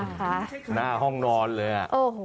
หน้าห้องนอนเลย